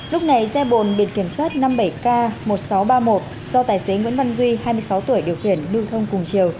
lúc này xe bồn biển kiểm soát năm mươi bảy k một nghìn sáu trăm ba mươi một do tài xế nguyễn văn duy hai mươi sáu tuổi điều khiển lưu thông cùng chiều